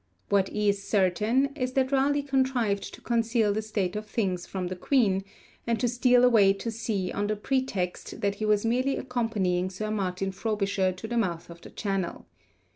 What is certain is that Raleigh contrived to conceal the state of things from the Queen, and to steal away to sea on the pretext that he was merely accompanying Sir Martin Frobisher to the mouth of the Channel.